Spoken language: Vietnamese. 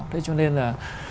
thế cho nên là